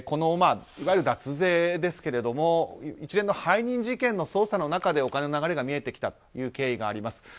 いわゆる脱税ですけれども一連の背任事件の捜査の中でお金の流れが見えてきたという経緯があります。